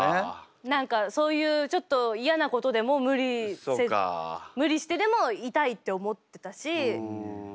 何かそういうちょっと嫌なことでも無理してでもいたいって思ってたしうん。